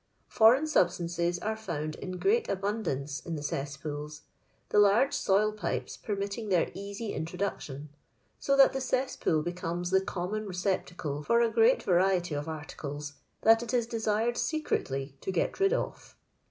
Foreign substances are found in great abundance in the ces^DOols; the lar^e soil pipes permitting their easy introduction; so that Ine cesspool becomes the common re ceptacle for a great variety of articles that it is desired secreUy to get rid of.